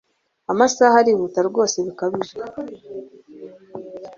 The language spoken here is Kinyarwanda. amasaha arihuta rwose bikabije